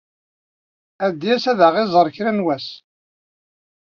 Ad d-yas ad aɣ-iẓer kra n wass.